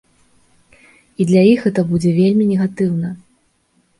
І для іх гэта будзе вельмі негатыўна.